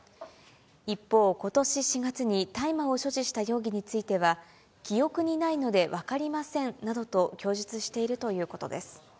一方、ことし４月に大麻を所持した容疑については、記憶にないので分かりませんなどと供述しているということです。